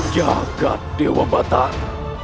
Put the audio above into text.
jagat dewa batak